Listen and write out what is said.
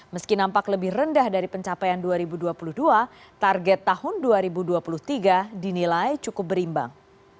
meski nampak lebih rendah dari pencapaian dua ribu dua puluh dua target tahun dua ribu dua puluh tiga dinilai cukup berimbang